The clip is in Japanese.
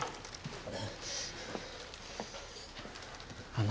あの。